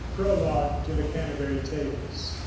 PROLOGUE TO THE CANTERBURY TALES.